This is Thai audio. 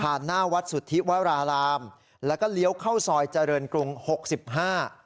หน้าวัดสุทธิวรารามแล้วก็เลี้ยวเข้าซอยเจริญกรุงหกสิบห้า